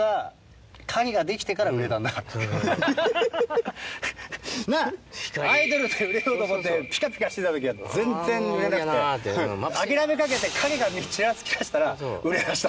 なっアイドルで売れようと思ってピカピカしてた時は全然売れなくて諦めかけて陰がちらつきだしたら売れだした。